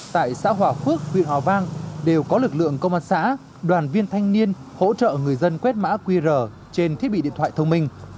tại xã hòa phước huyện hòa vang đều có lực lượng công an xã đoàn viên thanh niên hỗ trợ người dân quét mã qr trên thiết bị điện thoại thông minh